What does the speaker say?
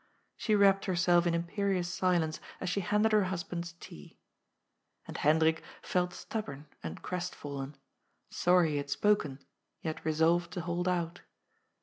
She wrapped herself in imperious silence as she handed her husband's tea. And Hendrik felt, stubborn and crestfallen, " sorry he had spoken," yet resolved to hold out.